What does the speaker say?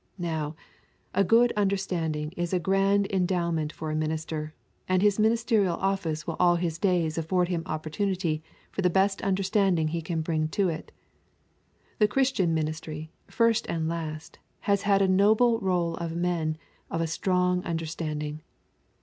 Now, a good understanding is a grand endowment for a minister, and his ministerial office will all his days afford him opportunity for the best understanding he can bring to it. The Christian ministry, first and last, has had a noble roll of men of a strong understanding.